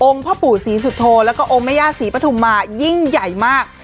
องค์พระปู่ศรีสุโธและองค์มะยาศรีปฐุมมายิ่งใหญ่มาก